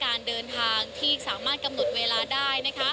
การเดินทางที่สามารถกำหนดเวลาได้